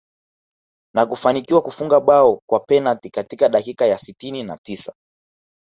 Na kufanikiwa kufunga bao kwa penalti katika dakika ya sitini na tisa